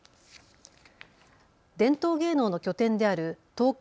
伝統芸能の拠点である東京